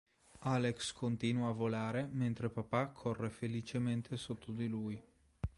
Alex continua a volare mentre papà corre felicemente sotto di lui.